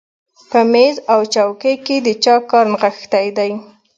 په مېز او څوکۍ کې د چا کار نغښتی دی